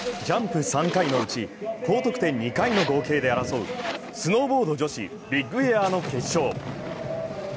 ジャンプ３回のうち、高得点２回の合計で争う、スノーボード女子ビッグエアの決勝。